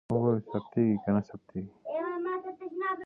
عامه پریکړې د مشورې له لارې ښه کېږي.